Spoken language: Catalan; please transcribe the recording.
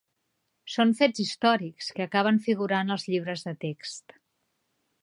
Són fets històrics que acaben figurant als llibres de text.